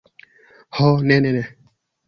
Ho, ne, ne, ne!